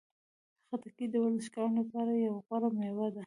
خټکی د ورزشکارانو لپاره یوه غوره میوه ده.